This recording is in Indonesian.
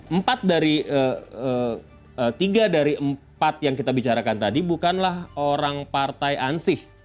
empat dari tiga dari empat yang kita bicarakan tadi bukanlah orang partai ansih